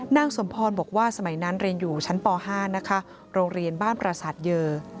นางสมพรบอกว่าสมัยนั้นเรียนอยู่ชั้นป๕นะคะโรงเรียนบ้านประสาทเยอร์